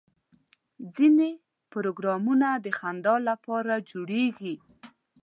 ځینې پروګرامونه د خندا لپاره جوړېږي.